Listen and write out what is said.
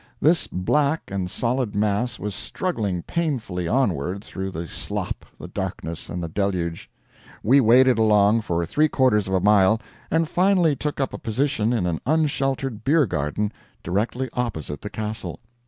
This black and solid mass was struggling painfully onward, through the slop, the darkness, and the deluge. We waded along for three quarters of a mile, and finally took up a position in an unsheltered beer garden directly opposite the Castle.